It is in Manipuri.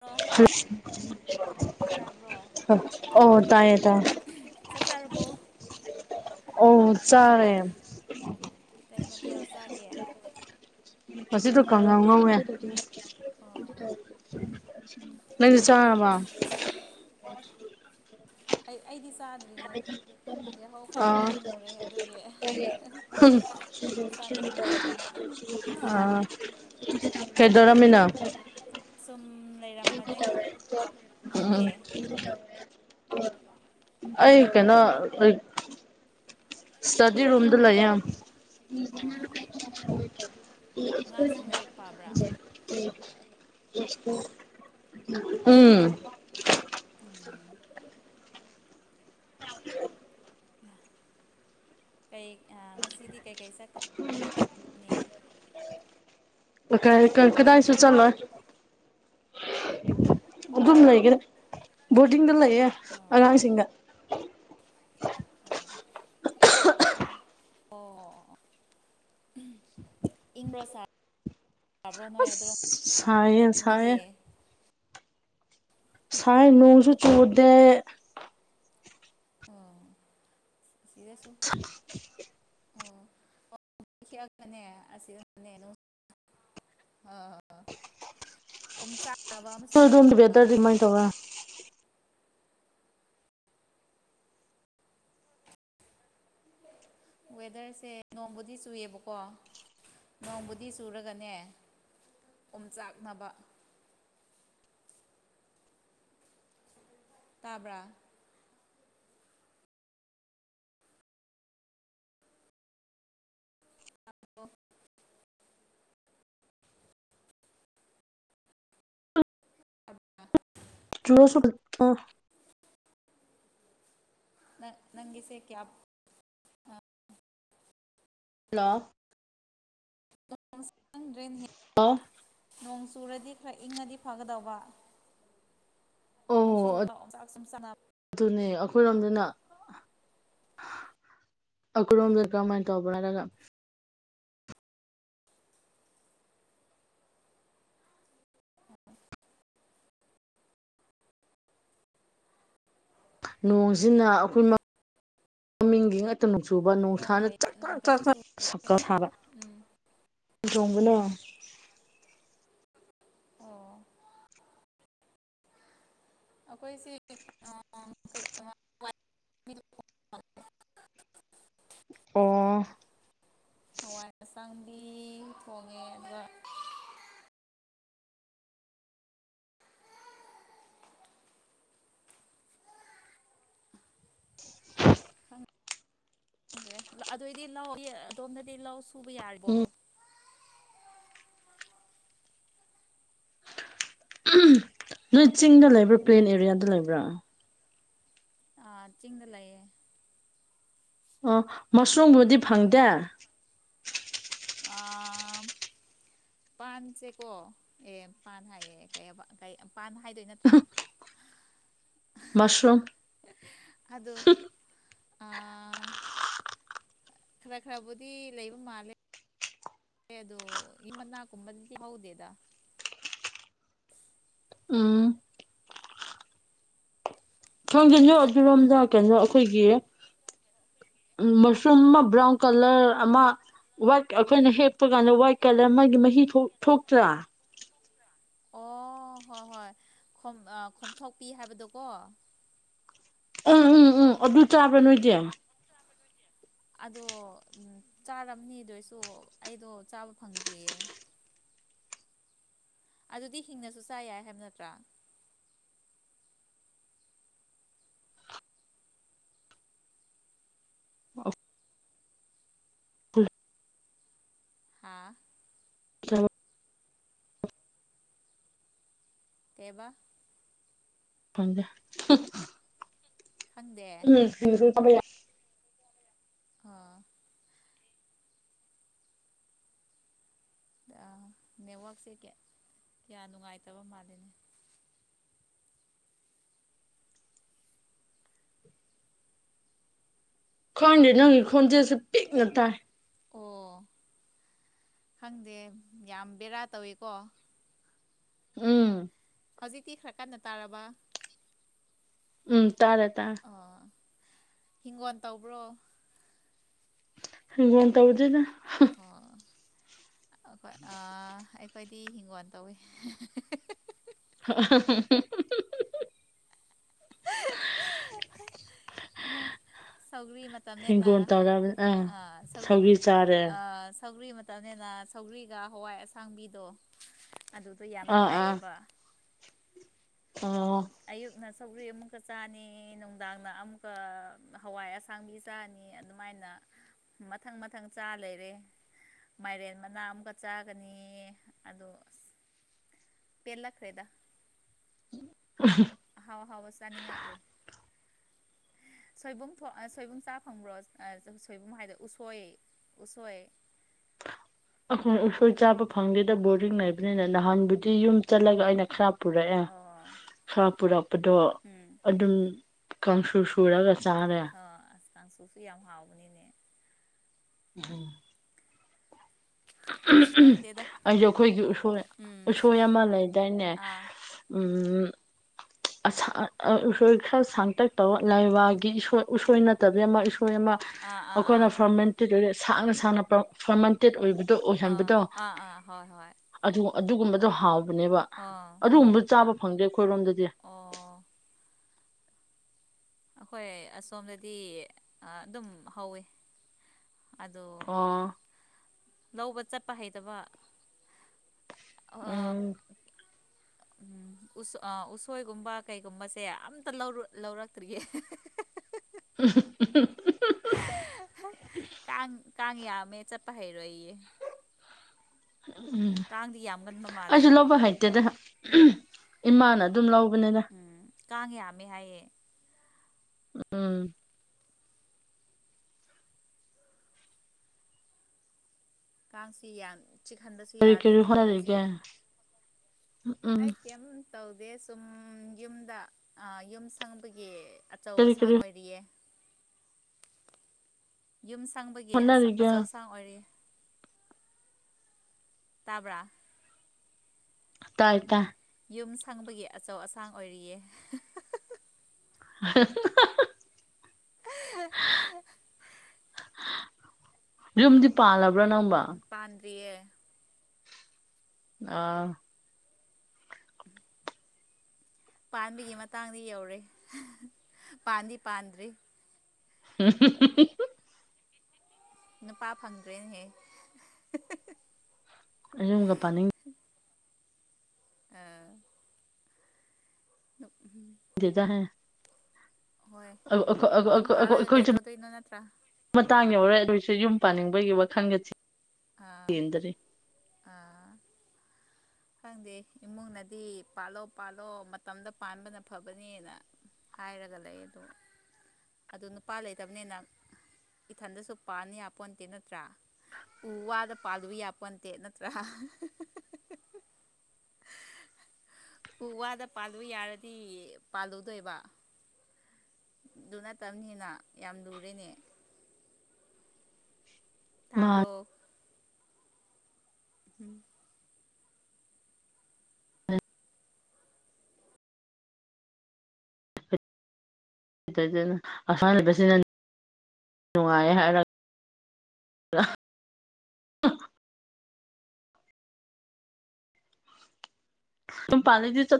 ꯍꯜꯂꯣ ꯇꯥꯕ꯭ꯔꯣ ꯑꯣ ꯇꯥꯏꯌꯦ ꯇꯥꯏꯌꯦ ꯆꯥꯛ ꯆꯥꯔꯔꯕꯣ ꯑꯣ ꯆꯔꯦ ꯀꯩ ꯃꯊꯦꯜ ꯆꯥꯒꯦ ꯑꯁꯤꯗ ꯈꯪꯉꯥꯎ ꯉꯧꯋꯦ ꯑꯣ ꯅꯗꯤ ꯆꯃ ꯑꯩꯗꯤ ꯆꯥꯗ꯭ꯔꯤꯌꯦ ꯌꯥꯍꯧ ꯈꯔ ꯊꯦꯡꯉꯨꯔꯦ ꯑꯗꯨꯒꯤ ꯑꯥ ꯆꯥꯅꯤꯡꯗ꯭ꯔꯤꯕ ꯑ ꯀꯦꯗꯔꯃꯤꯅꯥ ꯁꯣꯝ ꯎꯝ ꯑꯩ ꯀꯅꯥ ꯑꯩ ꯁꯇꯗꯤ ꯔꯣꯝꯗ ꯂꯩ ꯌꯥꯝ ꯑꯣ ꯑꯉꯥꯡꯁꯤꯡ ꯂꯥꯏꯔꯤꯛ ꯄꯥꯕ꯭ꯔꯥ [unintelligible] ꯎꯝ ꯎꯝ ꯍ ꯩ ꯉꯁꯤꯗꯤ ꯀꯩꯀꯩ ꯆꯠꯀ ꯀ ꯀ ꯀꯗꯥ ꯍꯥꯏꯁꯨ ꯆꯜꯂ ꯑꯗꯨꯝ ꯂꯩꯒꯔꯦ ꯕꯣꯔꯗꯤꯡꯗ ꯂꯩꯌꯦꯦ ꯑꯣ ꯑꯉꯥꯡꯁꯤꯡꯗ ꯑ ꯑꯣ ꯑꯣ ꯏꯗ꯭ꯔꯁꯥ ꯑꯁ ꯁꯥꯏꯌꯦꯦ ꯑꯗꯨꯔꯣꯝꯗꯗꯤ ꯁꯥꯏꯌꯦꯦ ꯁꯥꯏ ꯅꯣꯡꯁꯨ ꯆꯨꯔꯨꯔꯗ ꯑꯣ [unintelligible] ꯑꯣꯅꯦ ꯑꯁꯤꯗꯅꯦ ꯑ ꯎ ꯆꯗꯨ ꯎꯕꯗꯔꯗꯤꯃꯥꯏꯅ ꯇꯧꯔ ꯋꯦꯗꯔꯁꯦ ꯅꯣꯡꯃꯗꯤ ꯆꯨꯏꯌꯦꯕꯀꯣ ꯅꯣꯡꯕꯨꯗꯤ ꯆꯨꯔꯒꯅꯦ ꯑꯣꯝꯆꯥꯛꯅꯕ ꯇꯥꯕ꯭ꯔꯥ ꯑꯗꯣ ꯇꯥꯕ꯭ꯔꯥ ꯔꯣꯁꯨ ꯑ ꯅ ꯅꯪꯤꯁꯦ ꯀꯌꯥ ꯍꯜꯂꯣ ꯍ ꯅꯣꯡ ꯆꯨꯔꯗꯤ ꯈꯔ ꯏꯪꯉꯗꯤ ꯐꯒꯗꯧꯕ ꯑꯣ ꯅꯣꯡꯁꯨ ꯆꯨꯕ ꯑꯣꯝꯆꯥꯛ ꯁꯨꯝ ꯆꯥꯛꯅ ꯑꯗꯨꯅꯦ ꯑꯩꯈꯣꯏꯔꯣꯝꯗꯅ ꯑꯈꯝꯗꯔ ꯀꯃꯥꯏ ꯇꯕꯔꯒ ꯅꯣꯡꯁꯤꯅ ꯑꯩꯈꯣꯏ ꯃꯃꯤꯡꯒꯤ ꯉꯇ ꯆꯨꯕ ꯅꯣꯡ ꯅꯨꯡꯁꯥꯅ ꯀꯩ ꯆꯥꯛ ꯆꯥꯛ ꯅꯣꯡ ꯆꯥꯛ ꯀꯩꯁꯨ ꯆꯨꯗ꯭ꯔꯦ ꯁꯛꯀ ꯁꯥꯕ ꯎꯝ ꯆꯣꯡꯕꯅꯣ ꯑꯣ ꯑꯩꯈꯣꯏꯁꯤ ꯑꯣ ꯍꯋꯥꯏ ꯍꯛꯆꯥꯡꯗꯤ ꯊꯣꯡꯉꯦ ꯑꯗꯨꯒ ꯎꯦ ꯑꯗꯨꯑꯣꯏꯗꯤ ꯂꯧ ꯑꯗꯣꯝꯗꯗꯤ ꯂꯧ ꯁꯨꯕ ꯌꯥꯔꯤꯕꯣ ꯎꯝ ꯅꯣꯏ ꯆꯤꯡꯗ ꯂꯩꯕ꯭ꯔꯥ ꯄ꯭ꯂꯦꯟ ꯑꯦꯔꯤꯌꯥꯗ ꯂꯩꯕ꯭ꯔꯥ ꯑ ꯆꯤꯡꯗ ꯂꯩꯑꯦ ꯑꯣ ꯃꯁꯔꯨꯝꯕꯨꯗꯤ ꯐꯪꯗꯦ ꯑ ꯄꯥꯟꯁꯦꯀꯣ ꯑꯦ ꯄꯥꯟ ꯍꯥꯏꯌꯦ ꯀꯩꯑꯕ ꯄꯥꯟ ꯍꯥꯏꯗꯣꯏ ꯅꯠꯇ꯭ꯔꯥ [inaudible] ꯃꯁꯔꯨꯝ ꯑꯗꯣ ꯈꯔ ꯈꯔꯕꯨꯗꯤ ꯂꯩꯕ ꯃꯥꯜꯂꯦ ꯋꯦ ꯑꯗꯣ ꯏꯃꯅꯥꯀꯨꯕꯗꯨꯗꯤ ꯍꯧꯗꯦꯗ ꯎꯝ ꯈꯪꯗꯦ ꯅꯣꯢ ꯑꯗꯨꯔꯣꯝꯗ ꯀꯩꯅꯣ ꯑꯩꯈꯣꯏꯒꯤ ꯎꯝ ꯃꯁꯔꯨꯝ ꯃꯥ ꯕ꯭ꯔꯥꯎꯟ ꯀꯂꯔ ꯑꯃ ꯋꯥꯏꯠ ꯑꯩꯈꯣꯏꯅ ꯍꯦꯛꯞꯄ ꯀꯥꯟꯗ ꯋꯥꯏꯠ ꯀꯂꯔ ꯑꯃꯒꯤ ꯃꯍꯤ ꯊꯣꯛꯇ꯭ꯔꯥ ꯑꯣ ꯍꯣꯏ ꯍꯣꯏ ꯈꯣꯝ ꯈꯣꯝꯊꯣꯛꯄꯤ ꯍꯥꯏꯕꯗꯣꯀꯣ ꯎꯝ ꯎꯝ ꯎꯝ ꯑꯗꯨ ꯆꯥꯕ꯭ꯔꯥ ꯅꯣꯏꯗꯤ ꯑꯗꯣ ꯆꯥꯝꯔꯝꯅꯤ ꯗꯨꯑꯣꯏꯁꯨ ꯑꯩꯗꯣ ꯆꯥꯕ ꯐꯪꯗ꯭ꯔꯤꯌꯦ ꯑꯗꯨꯗꯤ ꯍꯤꯡꯅꯁꯨ ꯆꯥ ꯌꯥꯏ ꯍꯥꯏꯕ ꯅꯠꯇ꯭ꯔꯥ ꯑ ꯍꯥ ꯆꯂꯣ ꯇꯦꯕꯥ ꯖ ꯎꯝ ꯈꯪꯗꯦ ꯐ ꯑ ꯅꯦꯠꯋꯛꯁꯦ ꯀꯌꯥ ꯅꯨꯡꯉꯥꯏꯇꯕ ꯃꯥꯜꯂꯤꯅꯦ ꯈ꯭ꯪꯗꯦ ꯅꯪꯒꯤ ꯈꯣꯟꯖꯦꯜꯁꯦ ꯄꯤꯛꯅ ꯇꯥꯏ ꯑꯣ ꯈꯪꯗꯦ ꯌꯥꯝ ꯕꯦꯔꯥ ꯇꯧꯋꯤꯀꯣ ꯎꯝ ꯍꯧꯖꯤꯛꯇꯤ ꯈꯔ ꯀꯟꯅ ꯇꯥꯔꯕ ꯎꯝ ꯇꯥꯔꯦ ꯇꯥꯔꯦ ꯍꯤꯡꯒꯣꯟ ꯇꯧꯕ꯭ꯔꯣ ꯍꯤꯡꯒꯣꯟ ꯇꯧꯗꯦꯗ ꯑꯣ ꯑꯩꯈꯣꯢ ꯑꯥ ꯑꯩꯈꯣꯏꯗꯤ ꯍꯤꯡꯒꯣꯟ ꯇꯧꯋꯦ [unintelligible] [unintelligible] ꯁꯧꯒꯔꯤ ꯃꯇꯝꯅꯤꯅꯦ ꯍꯤꯡꯒꯣꯜ ꯇꯧꯔꯕꯅꯤ ꯑꯥ ꯍ ꯁꯧ ꯁꯧꯒ꯭ꯔꯤ ꯆꯥꯔꯦ ꯑ ꯁꯧꯒꯔꯤ ꯃꯇꯝꯅꯤꯅ ꯁꯧꯒ꯭ꯔꯤꯒ ꯍꯋꯥꯏ ꯑꯁꯥꯡꯕꯤꯗꯣ ꯑꯗꯨꯗꯣ ꯌꯥꯝ ꯑꯥ ꯑꯥ ꯊꯥꯏꯌꯦꯕ ꯑꯣ ꯑꯌꯨꯛꯅ ꯁꯧꯒ꯭ꯔꯤ ꯑꯃꯨꯛꯀ ꯆꯥꯅꯤ ꯅꯨꯡꯗꯥꯡꯗ ꯑꯃꯨꯛꯀ ꯍꯋꯥꯏ ꯑꯁꯥꯡꯕꯤ ꯆꯥꯅꯤ ꯑꯗꯨꯃꯥꯏꯅ ꯃꯊꯪ ꯃꯊꯪ ꯆꯥ ꯂꯩꯔꯦ ꯃꯥꯏꯔꯦꯟ ꯃꯅꯥ ꯑꯃꯀ ꯆꯥꯒꯅꯤ ꯑꯗꯣ ꯑꯁ ꯄꯦꯂꯥꯛꯇꯦꯗ ꯎ [inaudible] ꯑꯍꯥꯎ ꯑꯍꯥꯎꯕ ꯆꯥꯅꯤꯡꯉꯥꯛꯇꯔꯦ ꯁꯣꯏꯕꯨꯝ ꯁꯣꯏꯕꯨꯝ ꯆꯥ ꯐꯪꯕ꯭ꯔꯣ ꯁꯣꯏꯕꯨꯝ ꯍꯥꯏꯗꯦ ꯎꯁꯣꯏ ꯎꯁꯣꯏ [unintelligible] ꯑꯩꯈꯣꯏ ꯎꯁꯣꯏ ꯆꯥꯕ ꯐꯪꯗꯦꯗ ꯕꯣꯔꯗꯤꯡ ꯂꯩꯕꯅꯤꯅ ꯅꯍꯥꯟꯕꯨꯗꯤ ꯌꯨꯝ ꯆꯠꯂꯒ ꯑꯩꯅ ꯈꯔ ꯄꯨꯔꯛꯑꯦ ꯑꯣ ꯁꯥ ꯄꯨꯔꯛꯄꯗꯣ ꯎꯝ ꯑꯗꯨꯝ ꯀꯥꯡꯁꯨ ꯁꯨꯔꯒ ꯆꯥꯔꯦ ꯑꯣ ꯑꯁ ꯀꯥꯡꯁꯨꯁꯨ ꯌꯥꯝ ꯍꯥꯎꯕꯅꯤꯅꯦ ꯎꯝ ꯑꯩꯁꯦ ꯈꯪꯗꯦꯗ ꯑꯩꯈꯣꯏꯒꯤ ꯎꯁꯣꯢ ꯎꯝ ꯎꯁꯣꯏ ꯑꯃ ꯂꯩꯗꯥꯏꯅꯦ ꯑꯥ ꯎꯝ ꯑꯁ ꯑ ꯑ ꯎꯁꯣꯏ ꯈꯔ ꯁꯥꯡꯇꯛ ꯇꯧꯕ ꯂꯥꯏꯋꯥꯏꯒꯤ ꯎꯁꯣꯏ ꯅꯠꯇꯕꯤ ꯑꯃ ꯎꯁꫭꯏ ꯑꯃ ꯑꯥ ꯑꯩꯈꯣꯏꯅ ꯑꯥ ꯐꯔꯃꯦꯟꯇꯦꯠ ꯁꯥꯡꯅ ꯁꯥꯡꯅ ꯐꯔꯃꯦꯟꯇꯦꯠ ꯑꯣꯏꯕꯗꯨ ꯑ ꯑꯥ ꯑꯥ ꯍꯣꯏ ꯍꯣꯏ ꯑꯗꯨ ꯑꯗꯨꯒꯨꯝꯕꯗꯣ ꯍꯥꯎꯕꯅꯦꯕ ꯑꯥ ꯑꯗꯨꯒꯨꯝꯕ ꯆꯥꯕ ꯐꯪꯗꯦ ꯑꯩꯈꯣꯏꯔꯣꯝꯗꯗꯤ ꯑꯣ ꯑꯩꯈꯣꯏ ꯑꯁꯣꯝꯗꯗꯤ ꯑꯗꯨꯝ ꯍꯧꯋꯤ ꯑꯗꫭ ꯑꯣ ꯂꯧꯕ ꯆꯠꯄ ꯍꯩꯇꯕ ꯑ ꯎꯝ ꯑꯝ ꯎꯁ ꯑ ꯎꯁꯣꯏꯒꯨꯝꯕ ꯀꯩꯒꯨꯝꯕꯁꯦ ꯑꯝꯇ ꯂꯧꯔꯛ ꯂꯧꯔꯛꯇ꯭ꯔꯤꯌꯦ [inaudible] ꯀꯥꯡ ꯀꯥꯡ ꯌꯥꯝꯃꯦ ꯆꯠꯄ ꯍꯩꯔꯣꯏꯌꯦ ꯎꯝ ꯀꯥꯡꯗꯤ ꯌꯥꯝ ꯀꯟꯕ ꯃꯥꯜꯂꯦ ꯑꯩꯁꯨ ꯂꯧꯕ ꯍꯩꯇꯦꯗ ꯏꯃꯥꯅ ꯑꯗꯨꯝ ꯂꯧ ꯎꯝ ꯀꯥꯡ ꯌꯥꯝꯃꯦ ꯍꯥꯏꯌꯦ ꯎꯝ ꯀꯥꯡꯁꯨ ꯌꯥꯝ ꯆꯤꯛꯍꯟꯕꯁꯨ ꯀꯔꯤ ꯀꯔꯤ ꯌꯥꯗꯦꯅꯦ ꯇꯧꯔꯤꯁꯦ ꯍꯣꯠꯅꯔꯤꯒꯦ ꯎꯝ ꯑꯩ ꯀꯩꯝ ꯇꯧꯗꯦ ꯁꯨꯝ ꯌꯨꯝꯗ ꯑ ꯌꯨꯝ ꯁꯪꯕꯒꯤ ꯑꯆꯧ ꯀꯔꯤ ꯑꯁꯥꯡ ꯀꯔꯤ ꯑꯣꯏꯔꯤꯌꯦ ꯌꯨꯝ ꯁꯪꯕꯒꯤ ꯍꯣꯠꯅꯔꯤꯒꯦ ꯑꯆꯧ ꯑꯁꯥꯡ ꯑꯣꯏꯔꯤꯌ‌ꯦ ꯇꯥꯕ꯭ꯔ ꯇꯥꯏ ꯇꯥꯏ ꯌꯨꯝ ꯁꯪꯕꯒꯤ ꯑꯆꯧ ꯑꯁꯥꯡ ꯑꯣꯏꯔꯤꯌꯦ [inaudible] ꯌꯨꯝꯗꯤ ꯄꯥꯜꯂꯕ꯭ꯔꯥ ꯅꯪꯕꫭ ꯗꫪꯤꯌ‌ꯦ [inaudible] ꯑꯥ ꯄꯥꯟꯕꯒꯤ ꯃꯇꯥꯡꯗꯤ ꯌꯧꯔꯦ ꯄꯥꯟꯗꯤ ꯄꯥꯟꯗ꯭ꯔꯤ [inaudible] ꯅꯨꯄꯥ ꯐꯪꯗ꯭ꯔꯦꯅꯦꯍꯦ ꯌꯨꯝꯒ ꯄꯥꯅꯤꯡ ꯑꯥ ꯈꯪꯗꯦꯗ ꯍꯣꯏ ꯌꯨꯝ ꯄꯥꯜꯂꯒ ꯑꯩꯈꯣꯏꯁꯨ ꯀꯩꯗꯧꯗꯣꯏꯅꯣ ꯅꯠꯇ꯭ꯔꯥ ꯃꯇꯥꯡ ꯌꯥꯎꯔꯦ ꯑꯩꯈꯣꯏꯁꯨ ꯌꯨꯝ ꯄꯥꯅꯤꯡꯕꯒꯤ ꯋꯥꯈꯟꯒ ꯑꯥ ꯆ‌ꯦꯟꯗ꯭ꯔꯤ ꯑꯥ [unintelligible] ꯈꯪꯗꯦ ꯏꯃꯨꯡꯅꯗꯤ ꯄꯥꯜꯂꯣ ꯄꯥꯜꯂꯣ ꯃꯇꯝꯗ ꯄꯥꯟꯕꯅ ꯐꯕꯅꯦꯅ ꯍꯥꯏꯔꯒ ꯂꯩ ꯑꯗꯣ ꯑꯗꫭ ꯅꯨꯄꯥ ꯂꯩꯇꯕꯅꯤꯅ ꯏꯊꯟꯗꯁꯨ ꯄꯟꯌꯥꯄꫭ ꯅꯠꯇ‌ꯦ ꯅꯠꯇ꯭ꯔꯥ ꯎꯨ ꯋꯥꯗ ꯄꯥꯜꯂꯨꯕ ꯌꯥꯄꫭꯅꯠꯇ‌ꯦ ꯅꯠꯇ꯭ꯔꯥ ꯎ ꯋꯥꯗ ꯄꯥꯜꯂꯨ ꯌꯥꯔꯗꯤ ꯄꯥꯜꯂꯨꯗꯣꯏꯕ ꯑꯗꯨ ꯅꯠꯇꯕꯅꯤꯅ ꯌꯥꯝ ꯂꯨꯨꯔꯦꯅꯦ ꯃꯥ ꯇꯥꯕ꯭ꯔꯣ ꯎꯝ ꯀꯩꯇꯧꯗꫭꯏꯅꫭ ꯑꯁꯥꯝꯂꯩ ꯕꯁꯤꯅ ꯅꯨꯡꯉꯥꯏꯌ‌ꯦ ꯍꯥꯏꯔ [unintelligible] ꯌꯨꯝ ꯄꯜꯂꯗꯤ ꯆꯠ